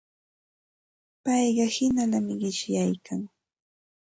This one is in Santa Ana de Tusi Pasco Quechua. Payqa hinallami qishyaykan.